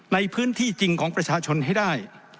ในพื้นที่จริงของประชาชนให้ได้